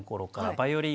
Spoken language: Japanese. バイオリン。